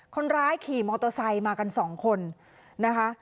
คนร้ายขี่มอเตอร์ไซค์มากันสองคนนะคะ